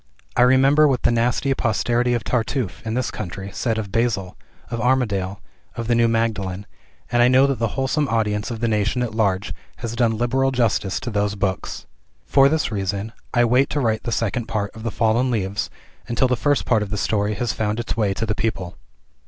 I remember what the nasty posterity of Tartuffe, in this country, said of "Basil," of "Armadale," of "The New Magdalen," and I know that the wholesome audience of the nation at large has done liberal justice to those books. For this reason, I wait to write the second part of "The Fallen Leaves," until the first part of the story has found its way to the people.